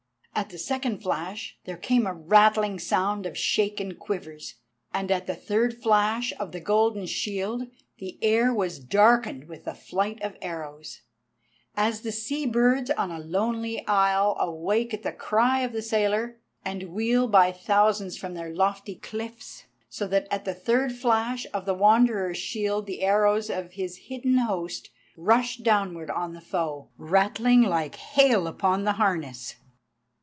At the second flash there came a rattling sound of shaken quivers, and at the third flash of the golden shield, the air was darkened with the flight of arrows. As the sea birds on a lonely isle awake at the cry of the sailor, and wheel by thousands from their lofty cliffs, so at the third flash of the Wanderer's shield the arrows of his hidden host rushed downward on the foe, rattling like hail upon the harness.